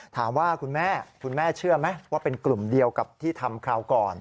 ถามว่าคุณแม่คุณแม่เชื่อไหมว่าเป็นกลุ่มเดียวกับที่ทำคราวก่อน